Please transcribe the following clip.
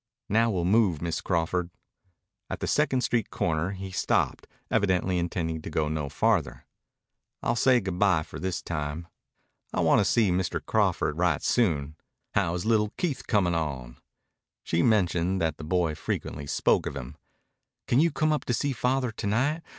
"Now we'll move, Miss Crawford." At the second street corner he stopped, evidently intending to go no farther. "I'll say good bye, for this time. I'll want to see Mr. Crawford right soon. How is little Keith comin' on?" She had mentioned that the boy frequently spoke of him. "Can you come up to see Father to night?